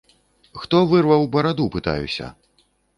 Хто вырваў бараду, пытаюся?